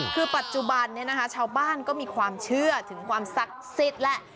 คือปัจจุบันชาวบ้านก็มีความเชื่อถึงความศักดิ์สิทธิ์แหละ